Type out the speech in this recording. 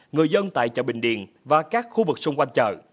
người dân tại chợ bình điền và các khu vực xung quanh chợ